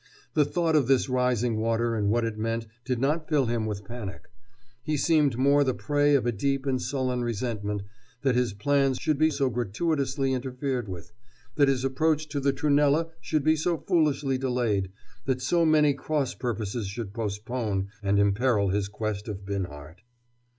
The thought of this rising water and what it meant did not fill him with panic. He seemed more the prey of a deep and sullen resentment that his plans should be so gratuitously interfered with, that his approach to the Trunella should be so foolishly delayed, that so many cross purposes should postpone and imperil his quest of Binhart.